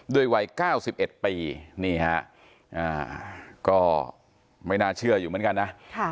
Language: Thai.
วัย๙๑ปีนี่ฮะก็ไม่น่าเชื่ออยู่เหมือนกันนะ